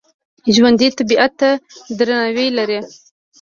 ژوندي طبیعت ته درناوی لري